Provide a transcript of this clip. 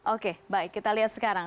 oke baik kita lihat sekarang